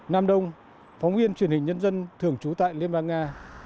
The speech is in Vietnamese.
nam đông phóng viên truyền hình nhân dân thường trú tại liên bang nga